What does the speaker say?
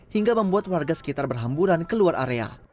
hingga membuat warga sekitar berhamburan keluar area